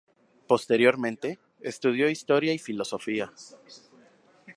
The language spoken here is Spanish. Posteriormente, estudió Historia y Filosofía.